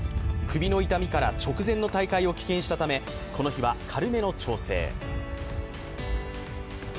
首の痛みから直前の大会を棄権したためこの日は軽めの調整。